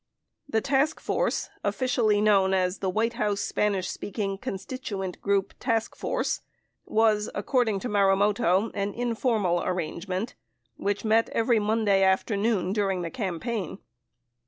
The task force, officially known as the "White House Spanish speaking Constituent Group Task Force," was, according to Marumoto, an in formal arrangement," which met every Monday afternoon during the campaign.